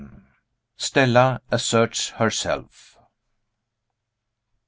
STELLA ASSERTS HERSELF.